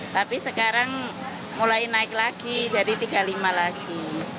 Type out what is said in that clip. tapi sekarang mulai naik lagi jadi tiga puluh lima lagi